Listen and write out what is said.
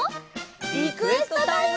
リクエストタイム！